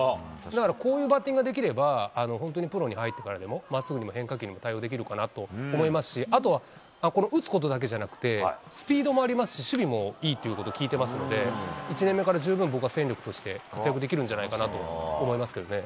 だからこういうバッティングができれば、本当にプロに入ってからでもまっすぐにも変化球にも対応できると思いますし、あとは、この打つことだけじゃなくて、スピードもありますし、守備もいいということを聞いてますので、１年目から十分、僕は戦力として活躍できるんじゃないかなと思いますけどね。